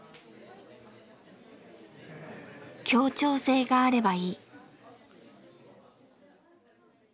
協調性があればいい。